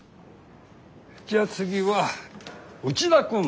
じゃあ次は内田君。